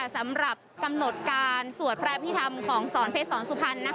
สำหรับกำหนดการสวดพระอภิษฐรรมของสอนเพชรสอนสุพรรณ